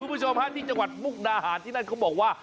คุณผู้ชมฮะที่จังหวัดมุกดาหารที่นั่นเขาบอกว่า